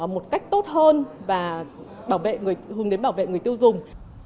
một cách tốt hơn và hướng đến bảo vệ người tiêu dùng